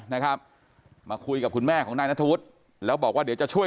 นะครับมาคุยกับคุณแม่ของนายนัทธวุฒิแล้วบอกว่าเดี๋ยวจะช่วย